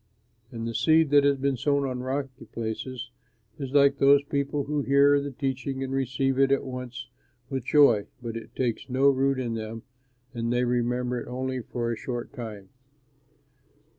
"And the seed that has been sown on rocky places, is like those people who hear the teaching and receive it at once with joy, but it takes no root in them and they remember it only for a short time.